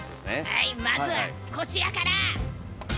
はいまずはこちらから。